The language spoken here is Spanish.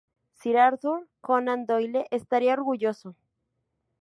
Sir Arthur Conan Doyle estaría orgulloso.